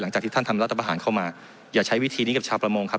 หลังจากที่ท่านทำรัฐประหารเข้ามาอย่าใช้วิธีนี้กับชาวประมงครับ